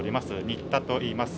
新田といいます。